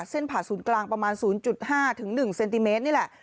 ผ่าศูนย์กลางประมาณ๐๕๑เซนติเมตรนี่แหละ